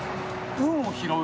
運を拾う？